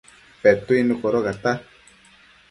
Petuidnu codocata